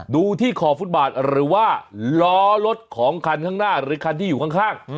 ดูที่ขอบฟุตบาทหรือว่าล้อรถของคันข้างหน้าหรือคันที่อยู่ข้าง